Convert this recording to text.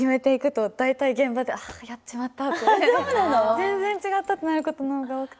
全然違ったってなることのほうが多くて。